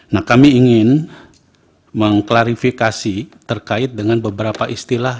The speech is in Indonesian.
nah kami ingin mengklarifikasi terkait dengan beberapa istilah